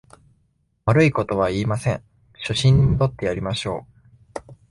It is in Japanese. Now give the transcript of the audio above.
悪いことは言いません、初心に戻ってやりましょう